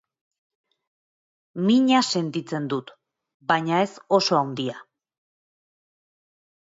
Mina sentitzen dut, baina ez oso handia.